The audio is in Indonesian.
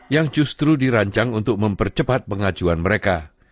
yang justru dirancang untuk mempercepat pengajuan mereka